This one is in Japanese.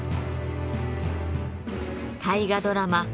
大河ドラマ